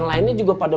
wah ini cukup biasa